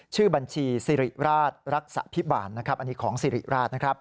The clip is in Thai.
ชื่อบัญชีสิริราชรักษาพิบาลนะครับอันนี้ของสิริราชนะครับ